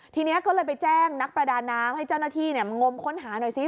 ทีนี้ก็เลยไปแจ้งนักประดาน้ำให้เจ้าหน้าที่มางมค้นหาหน่อยซิ